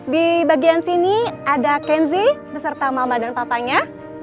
di bagian sini ada kenzi beserta mama dan papanya